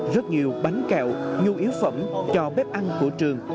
rất nhiều bánh kẹo nhu yếu phẩm cho bếp ăn của trường